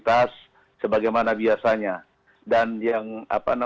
kami mencatat demonstrasi ada di bandara